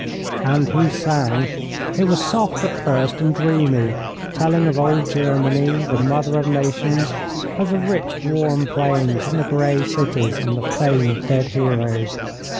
And he sang! It was soft, at first, and dreamy, telling of old Germany, the mother of nations, of the rich, warm plains, and the grey cities, and the fame of dead heroes.